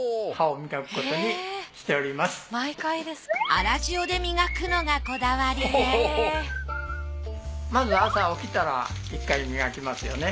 粗塩で磨くのがこだわりでまず朝起きたら１回磨きますよね。